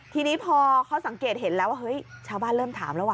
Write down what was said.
ทีนี้พอเขาสังเกตเห็นแล้วว่าเฮ้ยชาวบ้านเริ่มถามแล้วว่